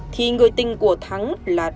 thì người tình của thắng là đàm